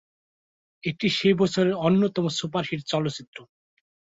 এটি সে বছরের অন্যতম সুপারহিট চলচ্চিত্র।